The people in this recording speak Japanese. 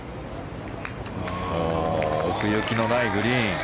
奥行きのないグリーン。